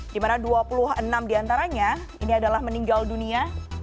di mana dua puluh enam diantaranya ini adalah meninggal dunia